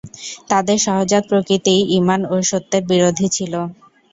তাদের সহজাত প্রকৃতিই ঈমান ও সত্যের বিরোধী ছিল।